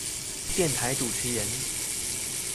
電台主持人